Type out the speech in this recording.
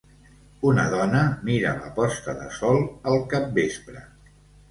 Una dona mira la posta de sol al capvespre.